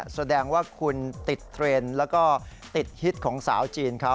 แสดงว่าคุณติดเทรนด์แล้วก็ติดฮิตของสาวจีนเขา